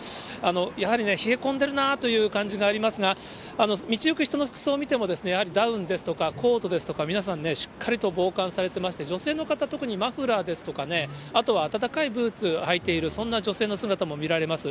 やはり冷え込んでるなという感じがありますが、道行く人の服装を見ても、やはりダウンですとか、コートですとか、皆さんね、しっかりと防寒されていまして、女性の方、特にマフラーですとか、あとは暖かいブーツ履いている、そんな女性の姿も見られます。